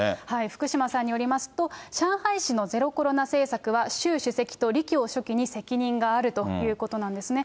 福島さんによりますと、上海市のゼロコロナ政策は、習主席と李強書記に責任があるということなんですね。